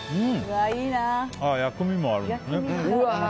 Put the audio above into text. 薬味もあるんだ。